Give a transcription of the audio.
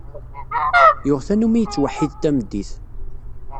Yuɣ tanumi yettweḥḥid tameddit.